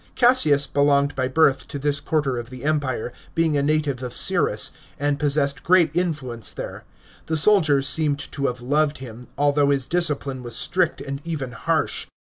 Cassius belonged by birth to this quarter of the Empire, being a native of Cyrrhus, and possessed great influence there. The soldiers seemed to have loved him, although his discipline was strict and even harsh.